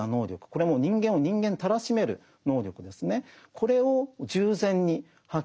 これはもう人間を人間たらしめる能力ですね。